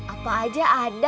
apa aja ada